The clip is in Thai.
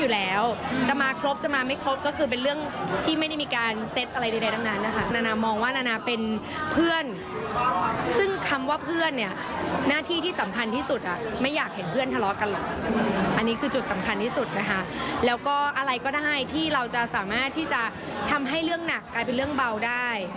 แล้วก็อะไรก็ได้ที่เราจะสามารถที่จะทำให้เรื่องหนักกลายเป็นเรื่องเบาได้